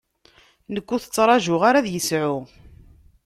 Nekk ur t-ttraǧuɣ ara ad yesɛu.